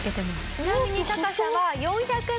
「ちなみに高さは４００メートル」